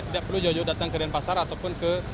tidak perlu jauh jauh datang ke denpasar ataupun ke